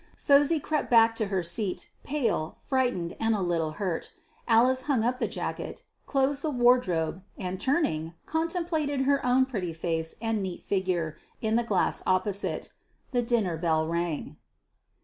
Phosy crept back to her seat, pale, frightened, and a little hurt. Alice hung up the jacket, closed the wardrobe, and, turning, contemplated her own pretty face and neat figure in the glass opposite. The dinner bell rang.